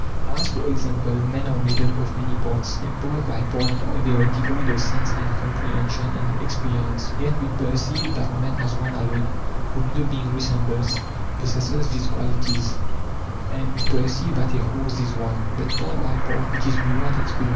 As for example, men are made up of many parts, and part by part they are devoid of sense and comprehension and experience, yet we perceive that man as one alone, whom no being resembles, possesses these qualities; and we perceive that a horse is one, but part by part it is without experience.